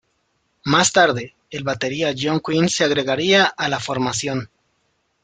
Más tarde, el batería John Quinn se agregaría a la formación.